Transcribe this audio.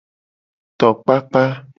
Tokpakpa.